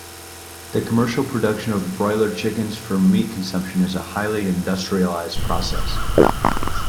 The commercial production of broiler chickens for meat consumption is a highly industrialized process.